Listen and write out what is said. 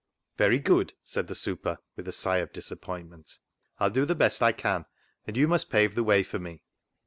" Very good," said the " super," with a sigh of disappointment. " I'll do the best I can, and you must pave the way for me."